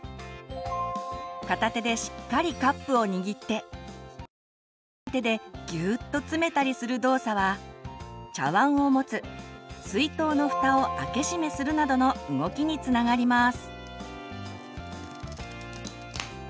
片手でしっかりカップをにぎってもう一方の手でギューッと詰めたりする動作は茶わんを持つ水筒のふたを開け閉めするなどの動きにつながります。